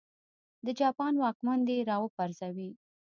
د جاپان واکمن دې را وپرځوي.